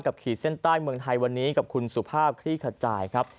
ขีดเส้นใต้เมืองไทยวันนี้กับคุณสุภาพคลี่ขจายครับ